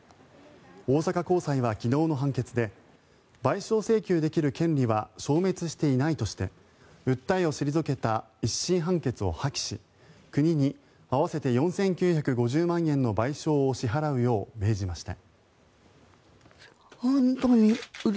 大阪高裁は昨日の判決で賠償請求できる権利は消滅していないとして訴えを退けた１審判決を破棄し国に合わせて４９５０万円の賠償を支払うよう命じました。